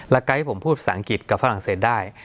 ไกด์ที่ผมพูดภาษาอังกฤษกับฝรั่งเศสได้